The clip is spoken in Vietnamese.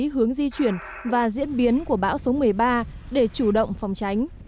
hướng di chuyển và diễn biến của bão số một mươi ba để chủ động phòng tránh